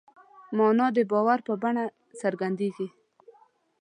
مانا د باور په بڼه څرګندېږي.